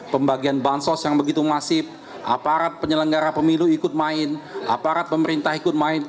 pembagian bansos yang begitu masif aparat penyelenggara pemilu ikut main aparat pemerintah ikut main